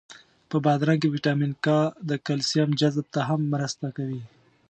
په بادرنګ کی ویټامین کا د کلسیم جذب ته هم مرسته کوي.